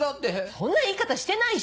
そんな言い方してないし。